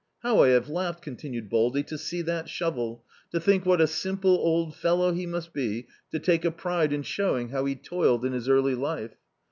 How I have laughed," con tinued Baldy, "to sec that shovel, to think what a simple old fellow he must be to take a pride in showing how he toiled in his early life.